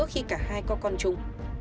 khi cả hai có con trùng